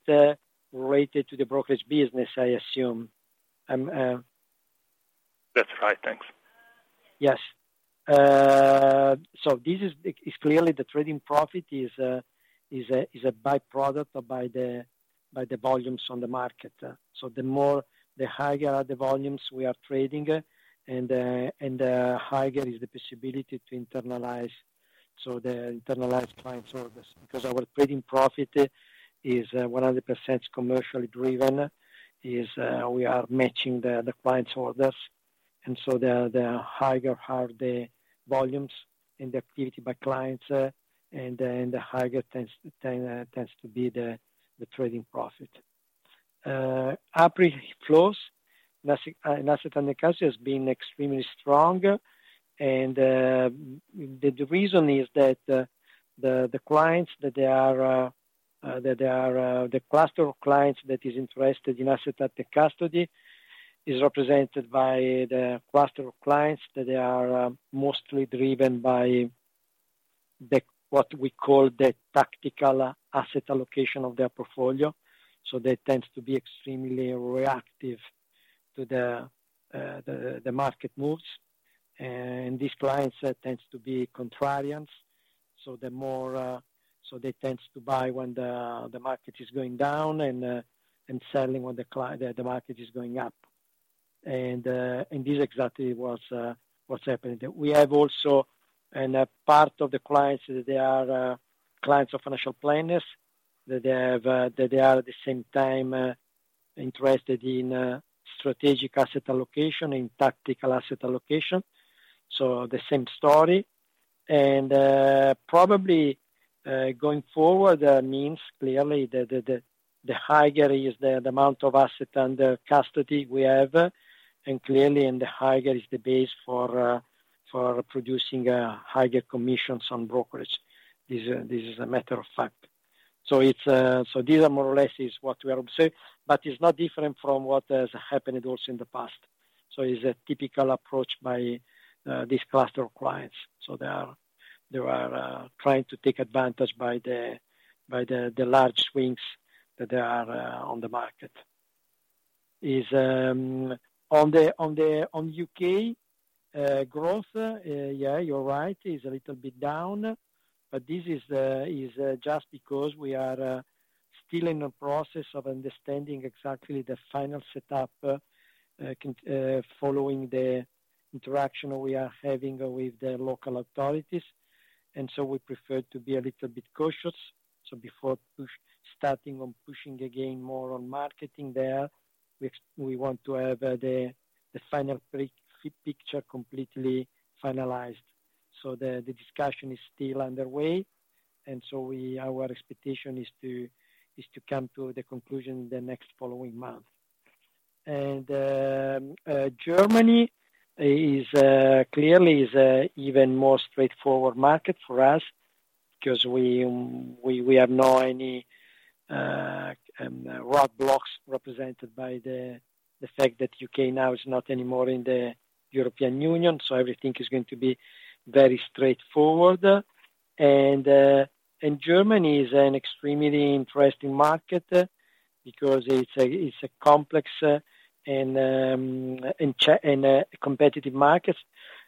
related to the brokerage business, I assume. That's right. Thanks. Yes. This is clearly the trading profit is a by-product of the volumes on the market. The more, the higher the volumes we are trading, and the higher is the possibility to internalize, so the internalized client service. Because our trading profit is 100% commercially driven, we are matching the clients' orders, and so the higher are the volumes and the activity by clients, and then, the higher tends to be the trading profit. April flows in assets under custody has been extremely strong. The reason is that the cluster of clients that is interested in assets under custody is represented by the cluster of clients that are mostly driven by what we call the tactical asset allocation of their portfolio. They tends to be extremely reactive to the market moves. These clients tends to be contrarians, so they tends to buy when the market is going down and selling when the market is going up. This exactly what's happening. We have also a part of the clients that they are clients of financial planners, that they have that they are at the same time interested in strategic asset allocation and tactical asset allocation. The same story. Probably going forward means clearly the higher is the amount of assets under custody we have, and clearly the higher is the base for producing higher commissions on brokerage. This is a matter of fact. These are more or less what we are observing, but it's not different from what has happened also in the past. It's a typical approach by this cluster of clients. They are trying to take advantage of the large swings that are on the market. Our UK growth, yeah, you're right, is a little bit down, but this is just because we are still in a process of understanding exactly the final setup following the interaction we are having with the local authorities, and we prefer to be a little bit cautious. Before starting to push again more on marketing there, we want to have the final picture completely finalized. The discussion is still underway, and our expectation is to come to the conclusion the next following month. Germany is clearly an even more straightforward market for us 'cause we have no any roadblocks represented by the fact that the U.K. now is not anymore in the European Union, so everything is going to be very straightforward. Germany is an extremely interesting market because it's a complex and a competitive market,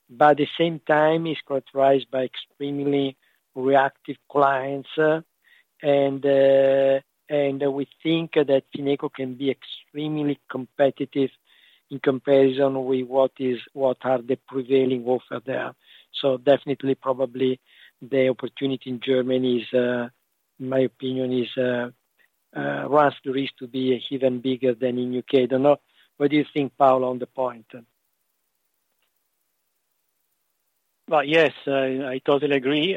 but at the same time, it's characterized by extremely reactive clients. We think that Fineco can be extremely competitive in comparison with what are the prevailing offer there. Definitely probably the opportunity in Germany is, in my opinion, likely to be even bigger than in U.K. I don't know, what do you think, Paolo, on the point? Well, yes, I totally agree.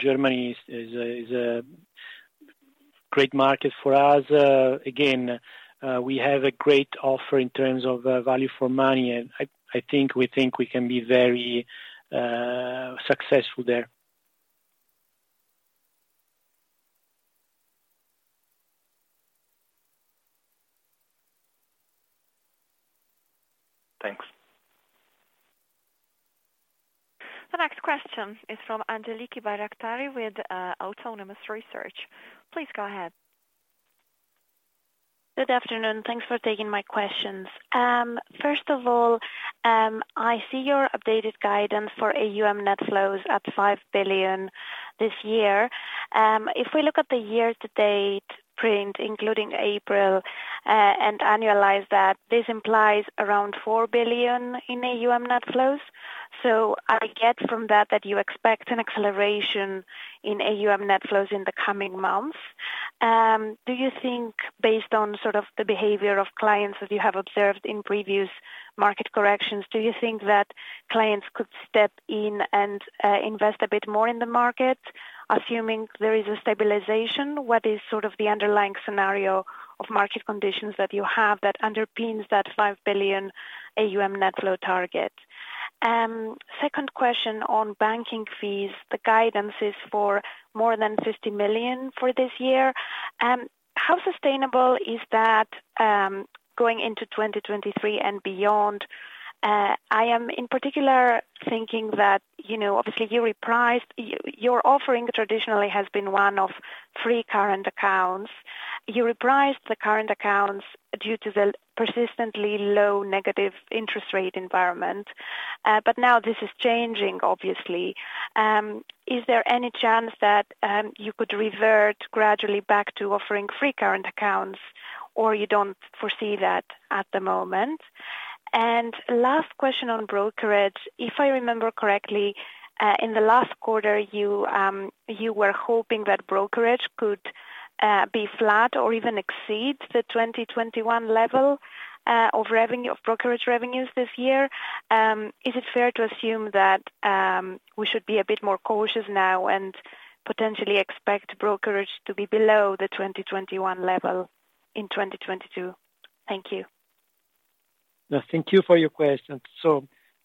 Germany is a great market for us. Again, we have a great offer in terms of value for money, and I think we can be very successful there. Thanks. The next question is from Angeliki Bairaktari with Autonomous Research. Please go ahead. Good afternoon. Thanks for taking my questions. First of all, I see your updated guidance for AUM net flows at 5 billion this year. If we look at the year-to-date print, including April, and annualize that, this implies around 4 billion in AUM net flows. I get from that you expect an acceleration in AUM net flows in the coming months. Do you think based on sort of the behavior of clients that you have observed in previous market corrections, do you think that clients could step in and invest a bit more in the market, assuming there is a stabilization? What is sort of the underlying scenario of market conditions that you have that underpins that 5 billion AUM net flow target? Second question on banking fees, the guidance is for more than 50 million for this year. How sustainable is that going into 2023 and beyond? I am in particular thinking that, you know, obviously you repriced your offering traditionally has been one of free current accounts. You repriced the current accounts due to the persistently low negative interest rate environment, but now this is changing, obviously. Is there any chance that you could revert gradually back to offering free current accounts, or you don't foresee that at the moment? Last question on brokerage: If I remember correctly, in the last quarter, you were hoping that brokerage could be flat or even exceed the 2021 level of revenue, of brokerage revenues this year. Is it fair to assume that we should be a bit more cautious now and potentially expect brokerage to be below the 2021 level in 2022? Thank you. No, thank you for your question.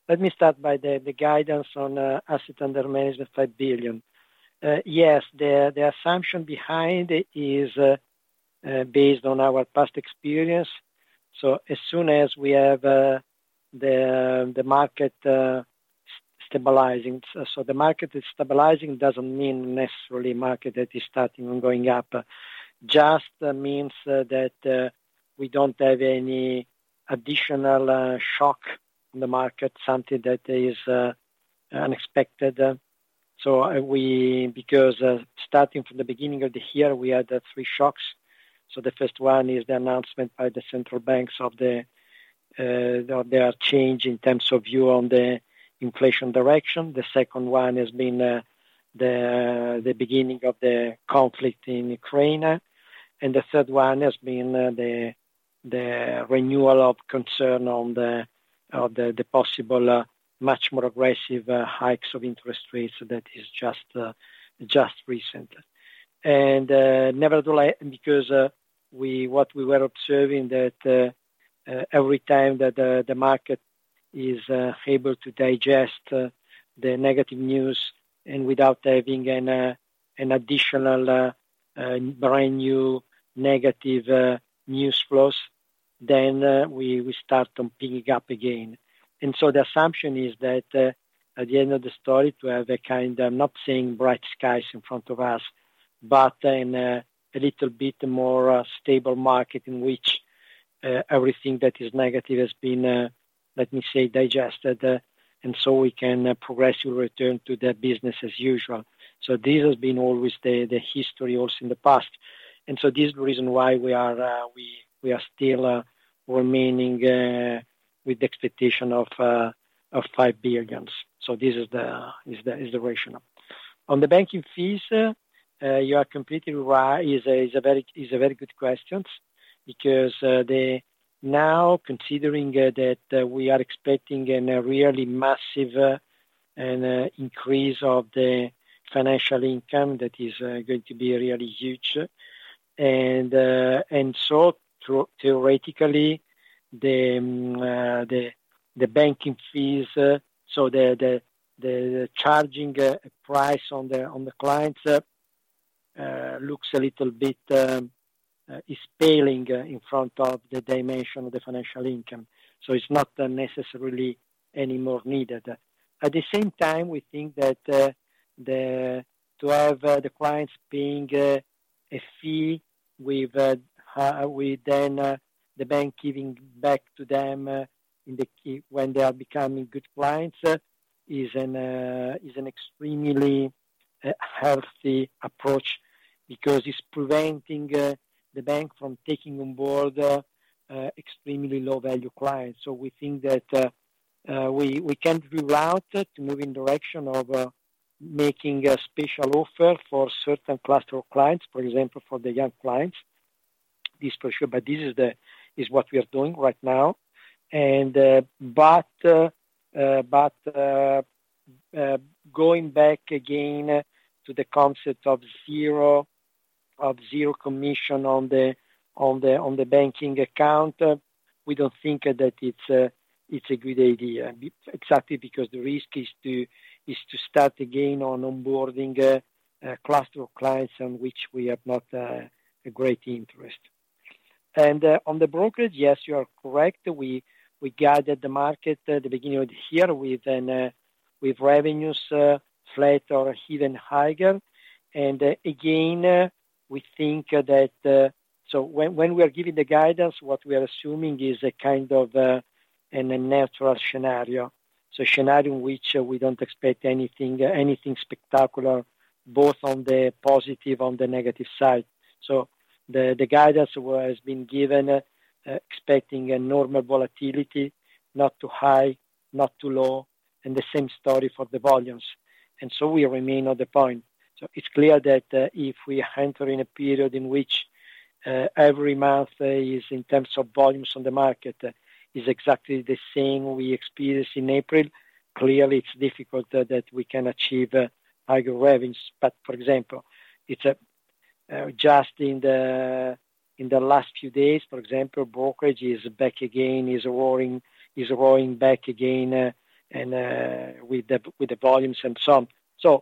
Let me start with the guidance on assets under management 5 billion. Yes, the assumption behind is based on our past experience. As soon as we have the market stabilizing. The market is stabilizing doesn't mean necessarily market that is starting to go up. Just means that we don't have any additional shock in the market, something that is unexpected. Because starting from the beginning of the year, we had three shocks. The first one is the announcement by the central banks of their change in terms of view on the inflation direction. The second one has been the beginning of the conflict in Ukraine. The third one has been the renewal of concern on the possible much more aggressive hikes of interest rates that is just recent. Nevertheless, because what we were observing that every time that the market is able to digest the negative news and without there being an additional brand new negative news flows, then we start on picking up again. The assumption is that at the end of the story to have a kind. I'm not saying bright skies in front of us, but then a little bit more stable market in which everything that is negative has been let me say digested and so we can progressively return to the business as usual. This has been always the history also in the past. This is the reason why we are still remaining with the expectation of 5 billion. This is the rationale. On the banking fees, you are completely right. It is a very good question because now, considering that we are expecting a really massive increase of the financial income, that is going to be really huge. Theoretically, the banking fees, so the charging price on the clients, looks a little bit, is paling in front of the dimension of the financial income, so it's not necessarily any more needed. At the same time, we think that to have the clients paying a fee with the bank giving back to them in the end when they are becoming good clients is an extremely healthy approach because it's preventing the bank from taking on board extremely low-value clients. We think that we can reroute to move in direction of making a special offer for certain cluster of clients, for example, for the young clients. This for sure. This is what we are doing right now. Going back again to the concept of zero commission on the bank account, we don't think that it's a good idea. Exactly because the risk is to start again on onboarding a cluster of clients on which we have not a great interest. On the brokerage, yes, you are correct. We guided the market at the beginning of the year with revenues flat or even higher. Again, we think that. When we are giving the guidance, what we are assuming is a kind of a natural scenario. A scenario in which we don't expect anything spectacular, both on the positive, on the negative side. The guidance was being given expecting a normal volatility, not too high, not too low, and the same story for the volumes. We remain on the point. It's clear that if we are entering a period in which every month is, in terms of volumes on the market, exactly the same we experienced in April, clearly it's difficult that we can achieve higher revenues. For example, it's just in the last few days, for example, brokerage is back again, is roaring back again, and with the volumes and so on.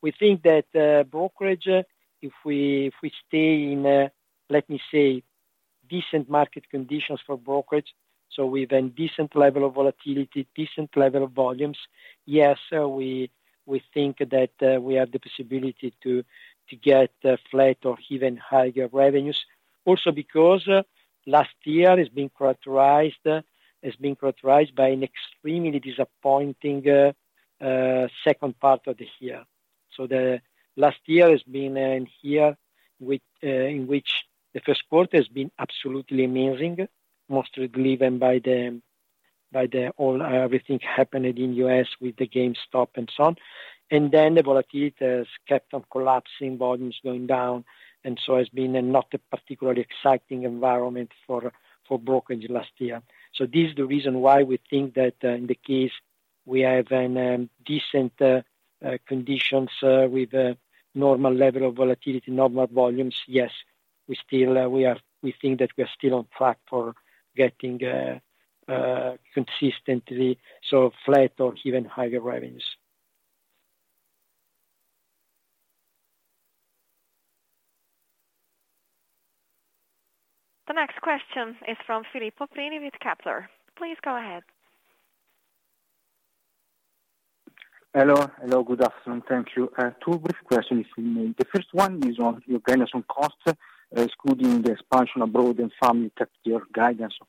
We think that brokerage, if we stay in, let me say, decent market conditions for brokerage, so with a decent level of volatility, decent level of volumes, yes, we think that we have the possibility to get flat or even higher revenues. Also because last year has been characterized by an extremely disappointing second part of the year. The last year has been an year with in which the first quarter has been absolutely amazing, mostly driven by the all everything happening in U.S. with the GameStop and so on. Then the volatility has kept on collapsing, volumes going down, and so has been a not particularly exciting environment for brokerage last year. This is the reason why we think that in the case we have an decent conditions with a normal level of volatility, normal volumes, yes, we still we think that we are still on track for getting consistently so flat or even higher revenues. The next question is from Filippo Prini with Kepler Cheuvreux. Please go ahead. Hello. Hello. Good afternoon. Thank you. Two brief questions for you. The first one is on your guidance on cost, excluding the expansion abroad and some impact, your guidance of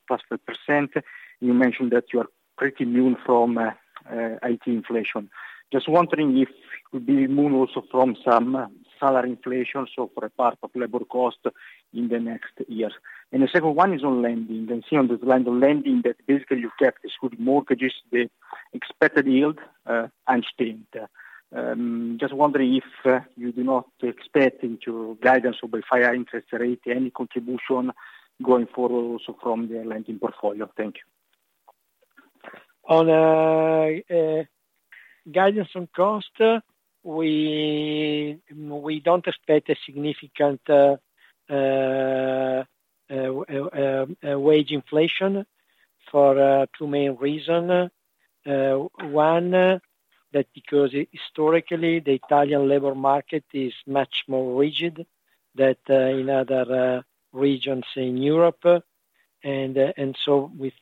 +3%. You mentioned that you are pretty immune from IT inflation. Just wondering if you could be immune also from some salary inflation, so for a part of labor cost in the next year. The second one is on lending. I see on the line of lending that basically you kept excluding mortgages, the expected yield unchanged. Just wondering if you do not expect into guidance of the higher interest rate any contribution going forward also from the lending portfolio. Thank you. On guidance on cost, we don't expect a significant wage inflation. For two main reason. One, because historically, the Italian labor market is much more rigid than in other regions in Europe. We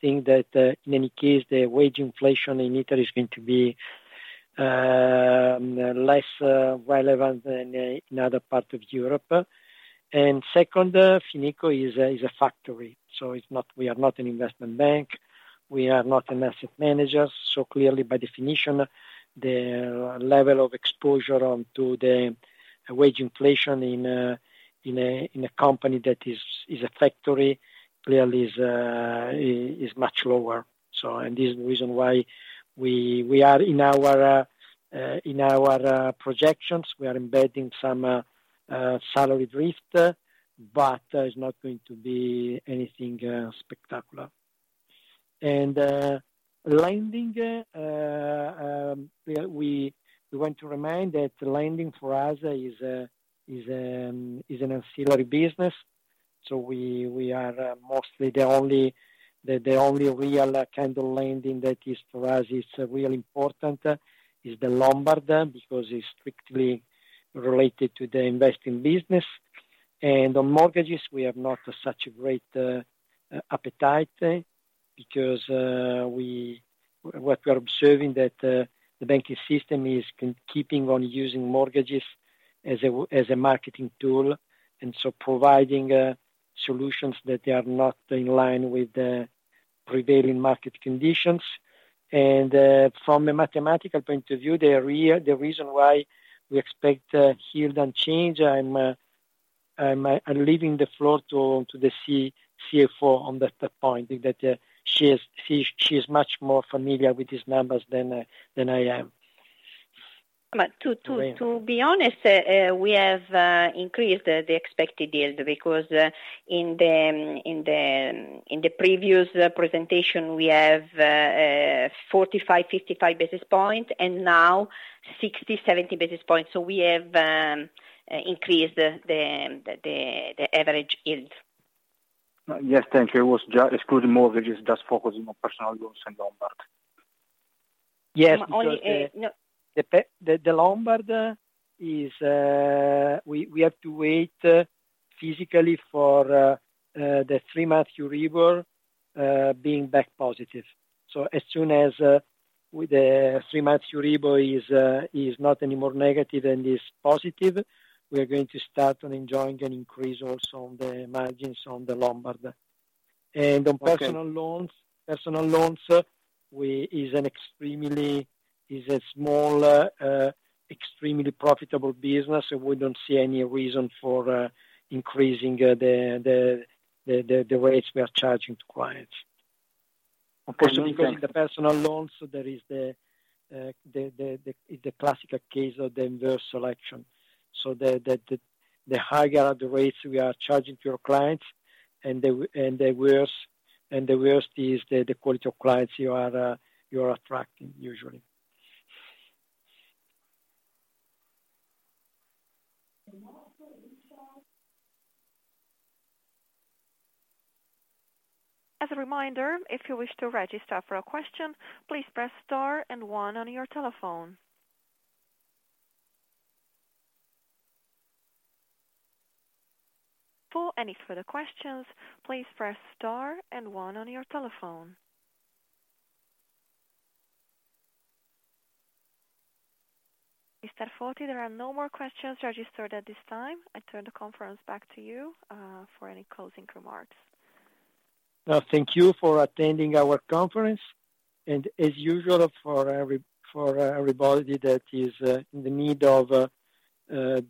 think that in any case, the wage inflation in Italy is going to be less relevant than in other parts of Europe. Second, Fineco is a factory, so we are not an investment bank. We are not an asset manager. Clearly, by definition, the level of exposure to the wage inflation in a company that is a factory clearly is much lower. This is the reason why we are in our projections. We are embedding some salary drift, but it's not going to be anything spectacular. Lending, we want to remind that lending for us is an ancillary business. We are mostly the only real kind of lending that for us is really important is the Lombard, because it's strictly related to the investing business. On mortgages, we have not such a great appetite because we are observing that the banking system is keeping on using mortgages as a marketing tool, and so providing solutions that they are not in line with the prevailing market conditions. From a mathematical point of view, the reason why we expect yield unchanged. I'm leaving the floor to the CFO on that point, that she is much more familiar with these numbers than I am. To be honest, we have increased the expected yield because in the previous presentation, we have 45-55 basis points, and now 60-70 basis points. We have increased the average yield. Yes, thank you. It was excluding mortgages, just focusing on personal loans and Lombard. Yes. The Lombard is, we have to wait physically for the three-month Euribor being back positive. As soon as the three-month Euribor is not anymore negative and is positive, we are going to start on enjoying an increase also on the margins on the Lombard. Okay. On personal loans is a small, extremely profitable business. We don't see any reason for increasing the rates we are charging to clients. Okay. Because in the personal loans, there is the classic case of the adverse selection. The higher the rates we are charging to your clients and the worse is the quality of clients you are attracting usually. As a reminder, if you wish to register for a question, please press star and one on your telephone. For any further questions, please press star and one on your telephone. Mr. Foti, there are no more questions registered at this time. I turn the conference back to you for any closing remarks. Thank you for attending our conference. As usual, for everybody that is in the need of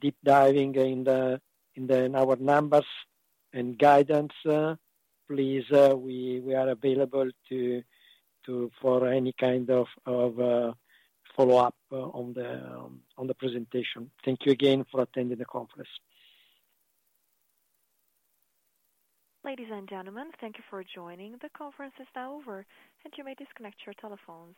deep diving in our numbers and guidance, please, we are available for any kind of follow-up on the presentation. Thank you again for attending the conference. Ladies and gentlemen, thank you for joining. The conference is now over, and you may disconnect your telephones.